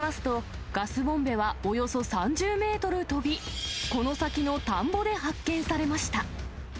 地元メディアによりますと、ガスボンベはおよそ３０メートル飛び、この先の田んぼで発見されました。